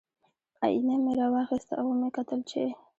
ائینه مې را واخیسته او ومې کتل چې